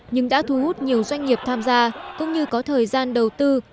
nhưng đã thu hút nhiều doanh nghiệp tham gia cũng như có thời gian đầu tư